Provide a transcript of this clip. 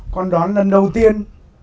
con đón lần đầu tiên